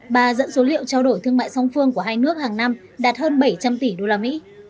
bà dẫn số liệu trao đổi thương mại song phương của hai nước hàng năm đạt hơn bảy trăm linh tỷ usd